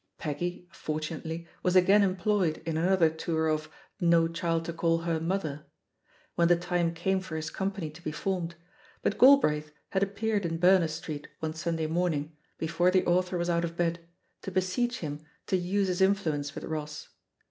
Peggy, fortunately, was again employed in an other tour of No Child to Call Her '"Mother/^ when the time came for his company to be formed; but Galbraith had appeared in Berners Street one Sunday morning, before the author was out of bed, to beseech him to "use his influ ence" with Ross.